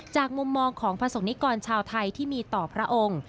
มุมมองของประสบนิกรชาวไทยที่มีต่อพระองค์